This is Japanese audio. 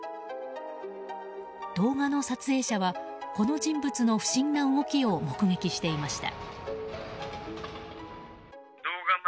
動画の撮影者は、この人物の不審な動きを目撃していました。